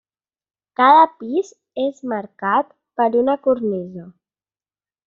Cada pis és marcat per una cornisa.